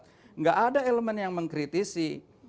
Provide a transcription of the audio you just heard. tidak ada elemen yang mengkritisi